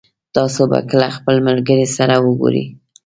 تاسو به کله خپل ملګري سره وګورئ